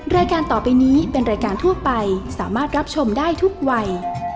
รายการต่อไปนี้เป็นรายการทั่วไปสามารถรับชมได้ทุกวัย